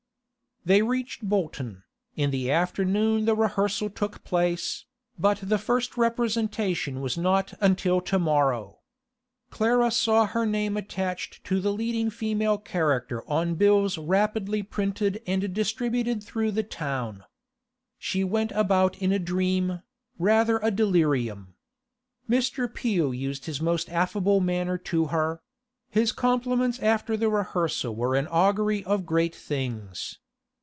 They reached Bolton. In the afternoon the rehearsal took place, but the first representation was not until to morrow. Clara saw her name attached to the leading female character on bills rapidly printed and distributed through the town. She went about in a dream, rather a delirium. Mr. Peel used his most affable manner to her; his compliments after the rehearsal were an augury of great things.